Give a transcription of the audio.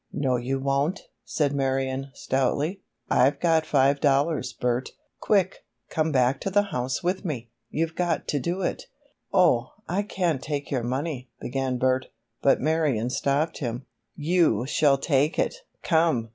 "No you won't!" said Marion, stoutly. "I've got five dollars, Bert! Quick, come back to the house with me! You've got to do it!" "Oh, I can't take your money," began Bert, but Marion stopped him. "You shall take it. Come!"